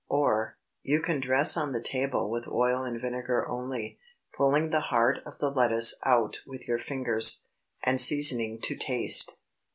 Or, You can dress on the table with oil and vinegar only, pulling the heart of the lettuce out with your fingers, and seasoning to taste.